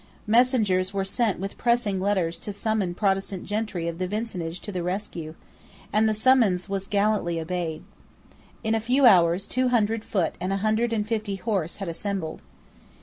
Messengers were sent with pressing letters to summon the Protestant gentry of the vicinage to the rescue; and the summons was gallantly obeyed. In a few hours two hundred foot and a hundred and fifty horse had assembled.